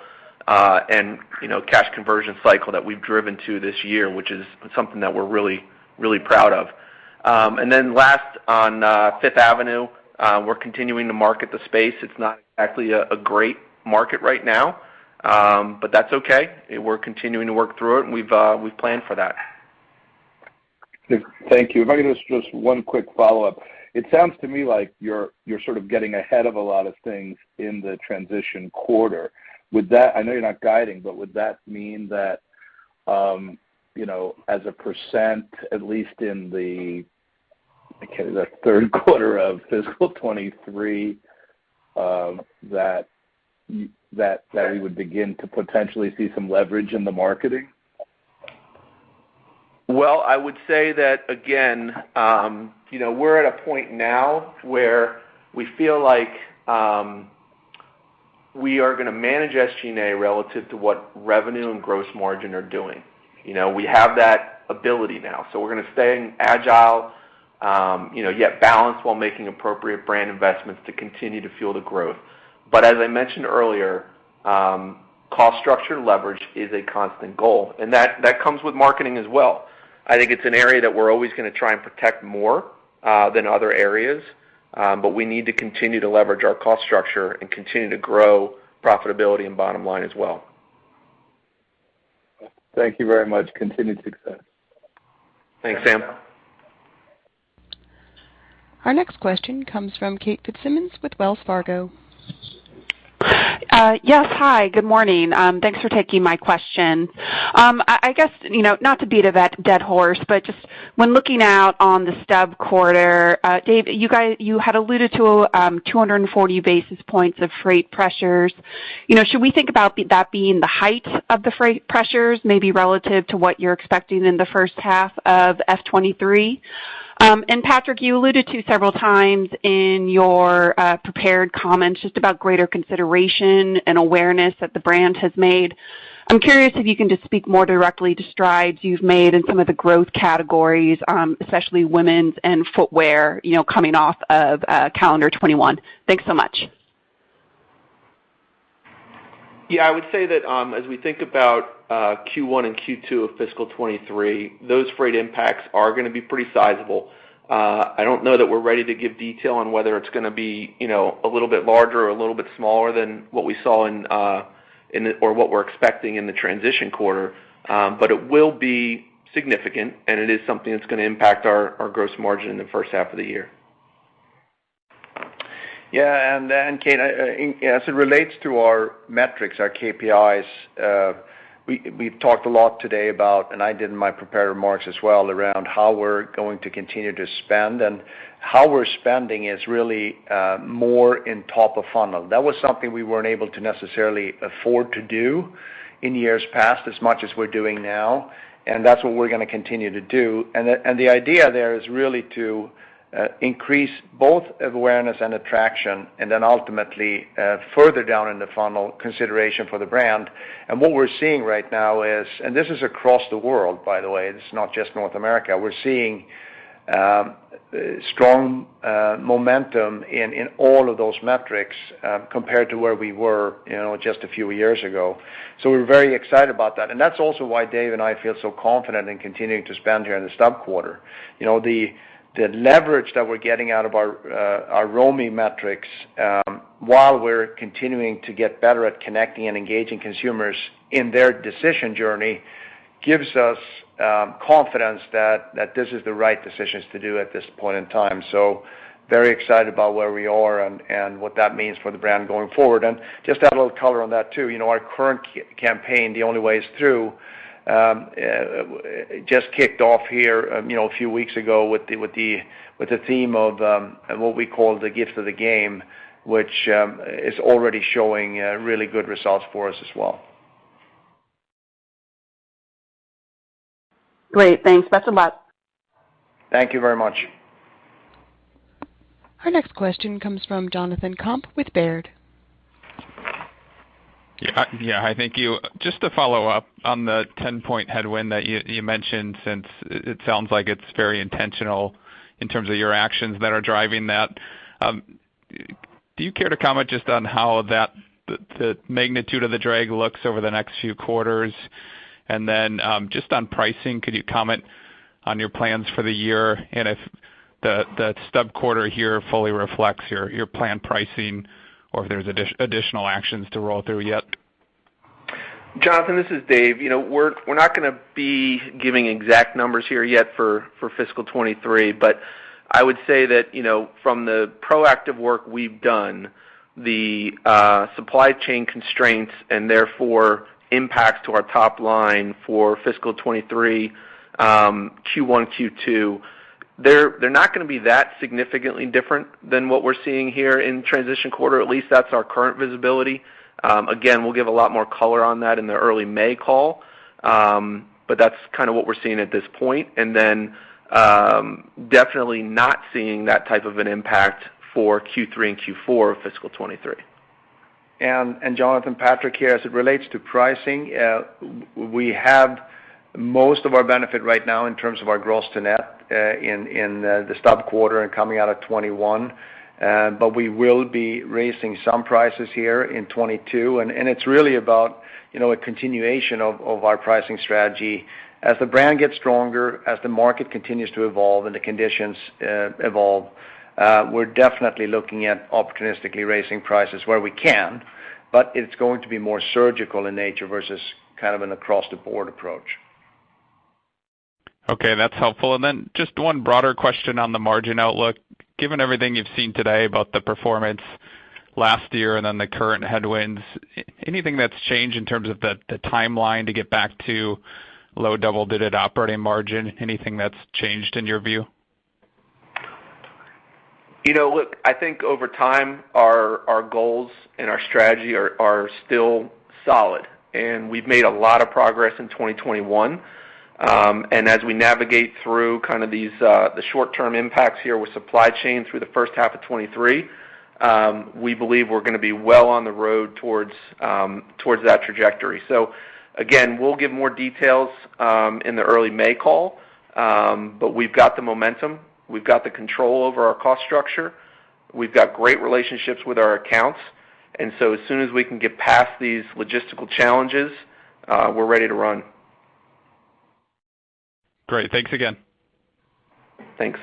and, you know, cash conversion cycle that we've driven to this year, which is something that we're really, really proud of. Last on Fifth Avenue, we're continuing to market the space. It's not exactly a great market right now, but that's okay. We're continuing to work through it, and we've planned for that. Thank you. If I could ask just one quick follow-up. It sounds to me like you're sort of getting ahead of a lot of things in the transition quarter. I know you're not guiding, but would that mean that you know, as a percent, at least in the third quarter of fiscal 2023, that we would begin to potentially see some leverage in the marketing? Well, I would say that again, you know, we're at a point now where we feel like we are gonna manage SG&A relative to what revenue and gross margin are doing. You know, we have that ability now. We're gonna stay agile, you know, yet balanced while making appropriate brand investments to continue to fuel the growth. As I mentioned earlier, cost structure leverage is a constant goal, and that comes with marketing as well. I think it's an area that we're always gonna try and protect more than other areas. We need to continue to leverage our cost structure and continue to grow profitability and bottom line as well. Thank you very much. Continued success. Thanks, Sam. Our next question comes from Kate Fitzsimmons with Wells Fargo. Yes. Hi, good morning. Thanks for taking my question. I guess, you know, not to beat a dead horse, but just when looking out on the stub quarter, Dave, you had alluded to 240 basis points of freight pressures. You know, should we think about that being the height of the freight pressures, maybe relative to what you're expecting in the first half of FY 2023? Patrik, you alluded to several times in your prepared comments just about greater consideration and awareness that the brand has made. I'm curious if you can just speak more directly to strides you've made in some of the growth categories, especially women's and footwear, you know, coming off of calendar 2021. Thanks so much. Yeah, I would say that, as we think about Q1 and Q2 of fiscal 2023, those freight impacts are gonna be pretty sizable. I don't know that we're ready to give detail on whether it's gonna be, you know, a little bit larger or a little bit smaller than what we saw in or what we're expecting in the transition quarter. It will be significant, and it is something that's gonna impact our gross margin in the first half of the year. Kate, as it relates to our metrics, our KPIs, we've talked a lot today about, and I did in my prepared remarks as well, around how we're going to continue to spend. How we're spending is really more in top of funnel. That was something we weren't able to necessarily afford to do in years past as much as we're doing now, and that's what we're gonna continue to do. The idea there is really to increase both awareness and attraction and then ultimately further down in the funnel consideration for the brand. What we're seeing right now is, and this is across the world, by the way, this is not just North America. We're seeing strong momentum in all of those metrics compared to where we were, you know, just a few years ago. We're very excited about that. That's also why Dave and I feel so confident in continuing to spend here in the stub quarter. You know, the leverage that we're getting out of our ROMI metrics while we're continuing to get better at connecting and engaging consumers in their decision journey gives us confidence that this is the right decisions to do at this point in time. Very excited about where we are and what that means for the brand going forward. Just to add a little color on that too. You know, our current campaign, The Only Way Is Through, just kicked off here, you know, a few weeks ago with the theme of what we call The Gift of the Game, which is already showing really good results for us as well. Great. Thanks. Best of luck. Thank you very much. Our next question comes from Jonathan Komp with Baird. Hi, thank you. Just to follow up on the 10-point headwind that you mentioned, since it sounds like it's very intentional in terms of your actions that are driving that. Do you care to comment just on how the magnitude of the drag looks over the next few quarters? And then, just on pricing, could you comment on your plans for the year? And if the stub quarter here fully reflects your planned pricing or if there's additional actions to roll through yet. Jonathan, this is Dave. You know, we're not gonna be giving exact numbers here yet for fiscal 2023, but I would say that, you know, from the proactive work we've done, the supply chain constraints and therefore impacts to our top line for fiscal 2023, Q1, Q2, they're not gonna be that significantly different than what we're seeing here in transition quarter. At least that's our current visibility. Again, we'll give a lot more color on that in the early May call. That's kinda what we're seeing at this point. Definitely not seeing that type of an impact for Q3 and Q4 of fiscal 2023. Jonathan, Patrik here. As it relates to pricing, we have most of our benefit right now in terms of our gross to net, in the stub quarter and coming out of 2021. But we will be raising some prices here in 2022, and it's really about, you know, a continuation of our pricing strategy. As the brand gets stronger, as the market continues to evolve and the conditions evolve, we're definitely looking at opportunistically raising prices where we can, but it's going to be more surgical in nature versus kind of an across-the-board approach. Okay, that's helpful. Just one broader question on the margin outlook. Given everything you've seen today about the performance last year and then the current headwinds, anything that's changed in terms of the timeline to get back to low double-digit operating margin? Anything that's changed in your view? You know, look, I think over time our goals and our strategy are still solid, and we've made a lot of progress in 2021. As we navigate through kind of these the short-term impacts here with supply chain through the first half of 2023, we believe we're gonna be well on the road towards that trajectory. Again, we'll give more details in the early May call. We've got the momentum. We've got the control over our cost structure. We've got great relationships with our accounts. As soon as we can get past these logistical challenges, we're ready to run. Great. Thanks again. Thanks.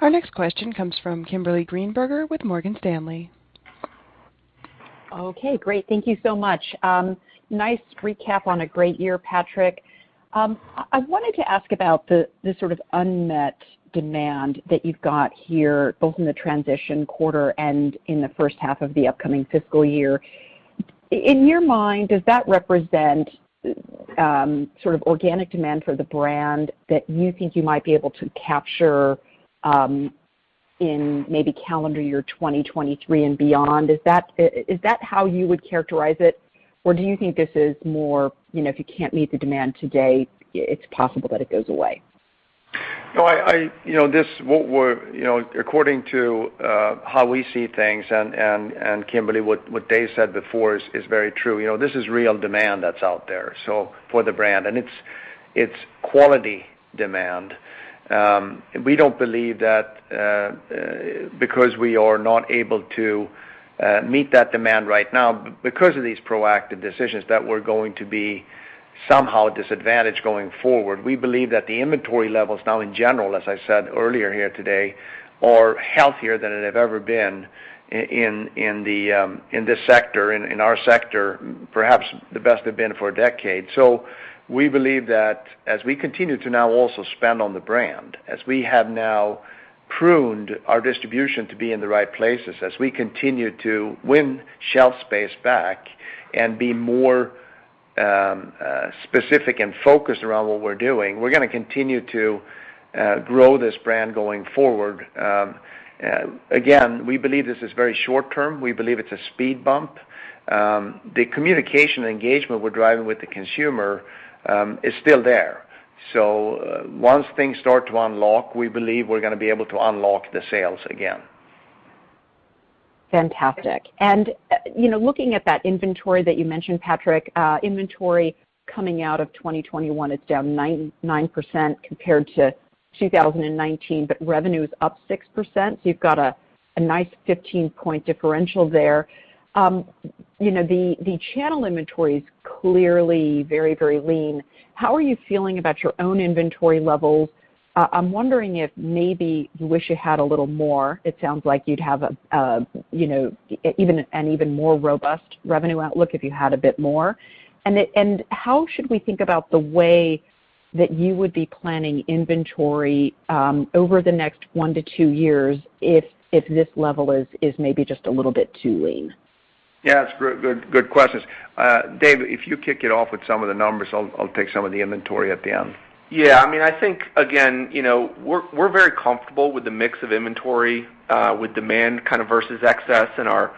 Our next question comes from Kimberly Greenberger with Morgan Stanley. Okay, great. Thank you so much. Nice recap on a great year, Patrik. I wanted to ask about the sort of unmet demand that you've got here, both in the transition quarter and in the first half of the upcoming fiscal year. In your mind, does that represent sort of organic demand for the brand that you think you might be able to capture in maybe calendar year 2023 and beyond? Is that how you would characterize it, or do you think this is more, you know, if you can't meet the demand today, it's possible that it goes away? No. You know, according to how we see things, and Kimberly, what Dave said before is very true. You know, this is real demand that's out there, so for the brand, and it's quality demand. We don't believe that because we are not able to meet that demand right now because of these proactive decisions, that we're going to be somehow disadvantaged going forward. We believe that the inventory levels now in general, as I said earlier here today, are healthier than it have ever been in this sector, in our sector, perhaps the best they've been for a decade. We believe that as we continue to now also spend on the brand, as we have now pruned our distribution to be in the right places, as we continue to win shelf space back and be more specific and focused around what we're doing, we're gonna continue to grow this brand going forward. Again, we believe this is very short term. We believe it's a speed bump. The communication engagement we're driving with the consumer is still there. Once things start to unlock, we believe we're gonna be able to unlock the sales again. Fantastic. You know, looking at that inventory that you mentioned, Patrik, inventory coming out of 2021 is down 99% compared to 2019, but revenue's up 6%, so you've got a nice 15-point differential there. You know, the channel inventory is clearly very, very lean. How are you feeling about your own inventory levels? I'm wondering if maybe you wish you had a little more. It sounds like you'd have a you know, even an even more robust revenue outlook if you had a bit more. How should we think about the way that you would be planning inventory over the next one to two years if this level is maybe just a little bit too lean? Yeah, it's good questions. Dave, if you kick it off with some of the numbers, I'll take some of the inventory at the end. Yeah. I mean, I think, again, you know, we're very comfortable with the mix of inventory with demand kind of versus excess and our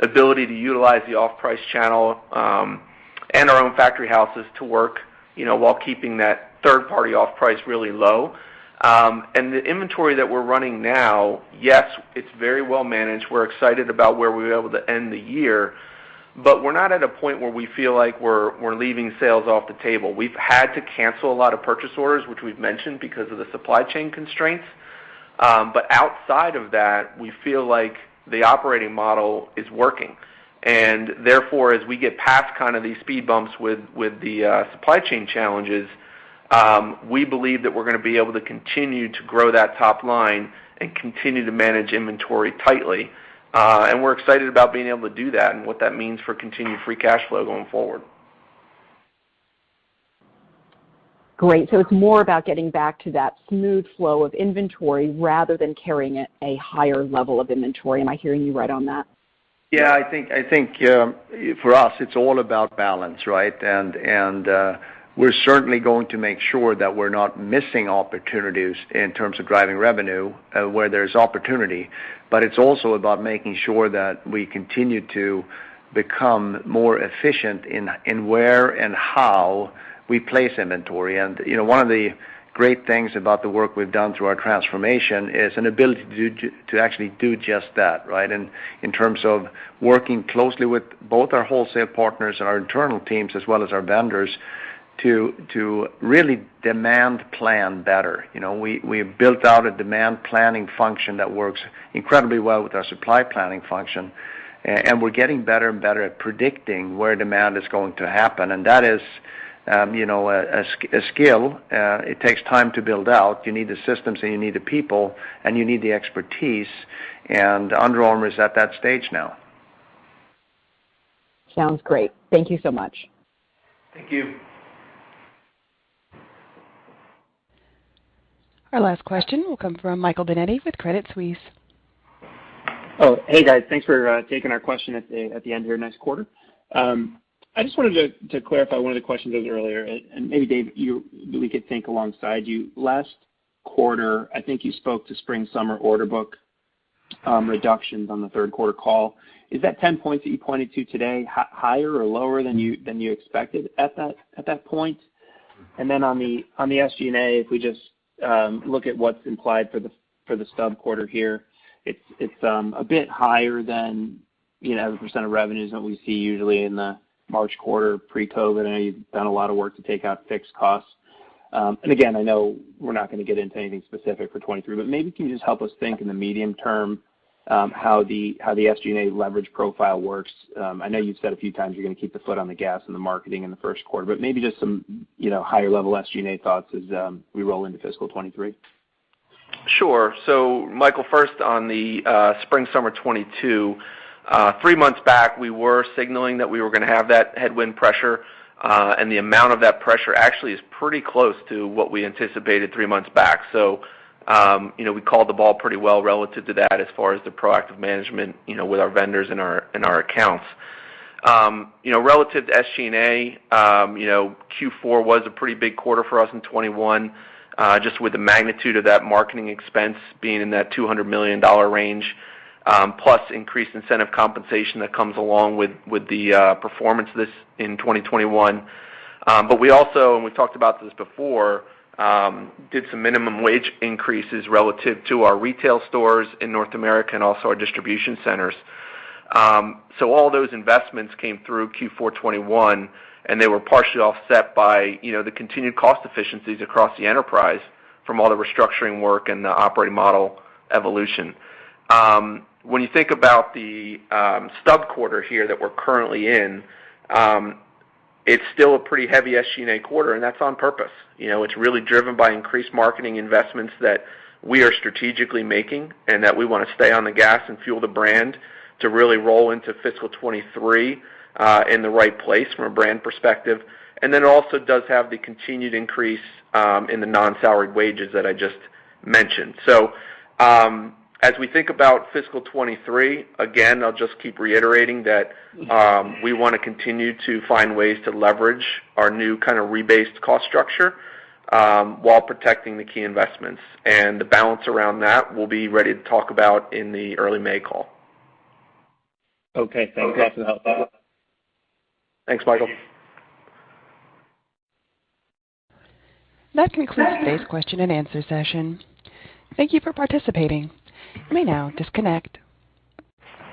ability to utilize the off-price channel and our own factory houses to work, you know, while keeping that third-party off-price really low. The inventory that we're running now, yes, it's very well managed. We're excited about where we were able to end the year, but we're not at a point where we feel like we're leaving sales off the table. We've had to cancel a lot of purchase orders, which we've mentioned, because of the supply chain constraints. Outside of that, we feel like the operating model is working. Therefore, as we get past kind of these speed bumps with the supply chain challenges, we believe that we're gonna be able to continue to grow that top line and continue to manage inventory tightly. We're excited about being able to do that and what that means for continued free cash flow going forward. Great. It's more about getting back to that smooth flow of inventory rather than carrying a higher level of inventory. Am I hearing you right on that? Yeah, I think for us, it's all about balance, right? And we're certainly going to make sure that we're not missing opportunities in terms of driving revenue where there's opportunity. But it's also about making sure that we continue to become more efficient in where and how we place inventory. You know, one of the great things about the work we've done through our transformation is an ability to actually do just that, right? And in terms of working closely with both our wholesale partners and our internal teams as well as our vendors to really demand plan better. You know, we have built out a demand planning function that works incredibly well with our supply planning function. And we're getting better and better at predicting where demand is going to happen. That is, you know, a skill. It takes time to build out. You need the systems, and you need the people, and you need the expertise. Under Armour is at that stage now. Sounds great. Thank you so much. Thank you. Our last question will come from Michael Binetti with Credit Suisse. Oh, hey, guys. Thanks for taking our question at the end here. Nice quarter. I just wanted to clarify one of the questions earlier. Maybe Dave, we could think alongside you. Last quarter, I think you spoke to spring-summer order book reductions on the third quarter call. Is that 10 points that you pointed to today higher or lower than you expected at that point? On the SG&A, if we just look at what's implied for the stub quarter here, it's a bit higher than you know the percent of revenues that we see usually in the March quarter pre-COVID. I know you've done a lot of work to take out fixed costs. I know we're not gonna get into anything specific for 2023, but maybe can you just help us think in the medium term, how the SG&A leverage profile works? I know you've said a few times you're gonna keep the foot on the gas in the marketing in the first quarter, but maybe just some, you know, higher level SG&A thoughts as we roll into fiscal 2023. Sure. Michael, first on the spring-summer 2022. Three months back, we were signaling that we were gonna have that headwind pressure, and the amount of that pressure actually is pretty close to what we anticipated three months back. You know, we called the ball pretty well relative to that as far as the proactive management, you know, with our vendors and our accounts. You know, relative to SG&A, you know, Q4 was a pretty big quarter for us in 2021, just with the magnitude of that marketing expense being in that $200 million range, plus increased incentive compensation that comes along with the performance in 2021. We also, and we talked about this before, did some minimum wage increases relative to our retail stores in North America and also our distribution centers. All those investments came through Q4 2021, and they were partially offset by, you know, the continued cost efficiencies across the enterprise from all the restructuring work and the operating model evolution. When you think about the stub quarter here that we're currently in, it's still a pretty heavy SG&A quarter, and that's on purpose. You know, it's really driven by increased marketing investments that we are strategically making, and that we wanna stay on the gas and fuel the brand to really roll into fiscal 2023 in the right place from a brand perspective. It also does have the continued increase in the non-salaried wages that I just mentioned. As we think about fiscal 2023, again, I'll just keep reiterating that, we wanna continue to find ways to leverage our new kinda rebased cost structure, while protecting the key investments. The balance around that we'll be ready to talk about in the early May call. Okay. Thanks. That's a help. Thanks, Michael. That concludes today's question and answer session. Thank you for participating. You may now disconnect.